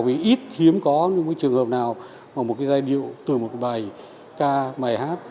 vì ít hiếm có những cái trường hợp nào mà một cái giai điệu từ một bài ca bài hát